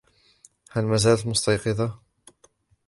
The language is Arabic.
هل مازلتِ مُستيقظة ؟